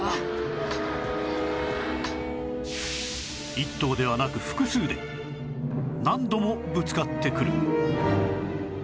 １頭ではなく複数で何度もぶつかってくる